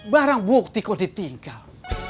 barang bukti kau ditinggal